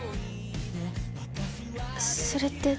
それって？